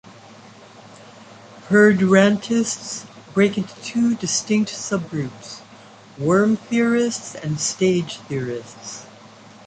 Perdurantists break into two distinct sub-groups: worm theorists and stage theorists.